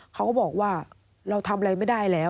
เขาก็บอกว่าเราทำอะไรไม่ได้แล้ว